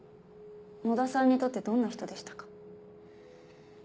野田さんにとってどんな人でしたか？